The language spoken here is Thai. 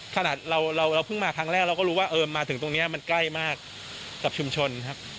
ขนาดเราเพิ่งมาครั้งแรกเราก็รู้ว่ามาถึงตรงนี้มันใกล้มากกับชุมชนครับ